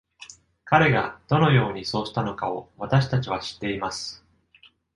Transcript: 彼がどのようにそうしたのかを私たちは知っています。